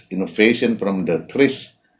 inovasi terbaru dari kris